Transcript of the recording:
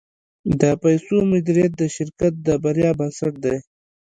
د پیسو مدیریت د شرکت د بریا بنسټ دی.